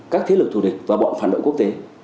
các thế lực thù địch và bọn phản động quốc tế